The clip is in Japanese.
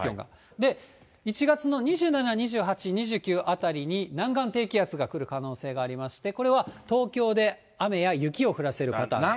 で、１月の２７、２８、２９あたりに南岸低気圧が来る可能性がありまして、これは東京で雨や雪を降らせるパターン。